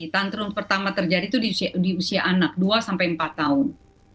tantrum pertama terjadi itu di usia anak dua empat tahun